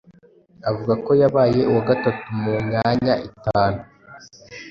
avuga ko yabaye uwa gatatu mu myanya itanu